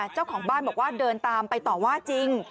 เจ้าของบ้านบอกว่าเดินตามไปต่อว่าจริง